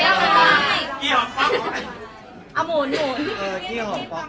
อันนั้นจะเป็นภูมิแบบเมื่อ